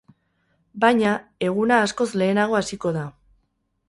Baina, eguna askoz lehenago hasiko da.